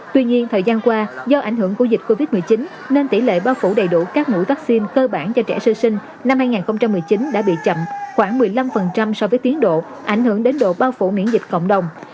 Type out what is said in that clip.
tuy nhiên thời gian qua do ảnh hưởng của dịch covid một mươi chín nên tỷ lệ bao phủ đầy đủ các mũi vaccine cơ bản cho trẻ sơ sinh năm hai nghìn một mươi chín đã bị chậm khoảng một mươi năm so với tiến độ ảnh hưởng đến độ bao phủ miễn dịch cộng đồng